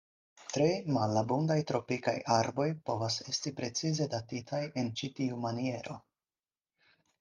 Tre malabundaj tropikaj arboj povas esti precize datita en ĉi tiu maniero.